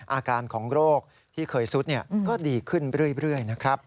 อาการของโรคที่เคยซุดก็ดีขึ้นเรื่อยนะครับ